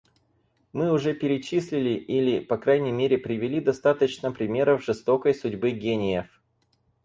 Мы уже перечислили или, по крайней мере, привели достаточно примеров жестокой судьбы гениев.